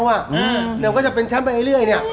เราก็จะเป็นแชมป์ไปเรื่อย